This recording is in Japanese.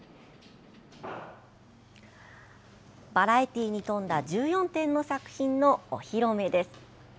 バラエティーに富んだ１４点の作品のお披露目です。